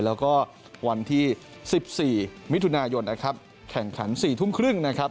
แล้วก็วันที่๑๔มิถุนายนแข่งขัน๔ทุ่มครึ่ง